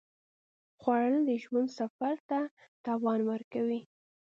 خوړل د ژوند سفر ته توان ورکوي